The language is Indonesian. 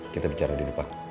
kita bicara di depan